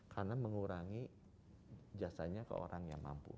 karena mengurangi jasanya ke orang yang mampu